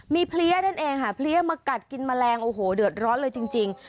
มีเพลี้ยนั่นเองค่ะเพลี้ยมากัดกินแมลงโอ้โหเดือดร้อนเลยจริง